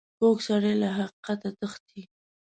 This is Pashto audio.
کوږ سړی له حقیقت تښتي